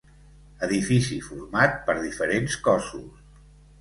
Edifici format per diferents cossos.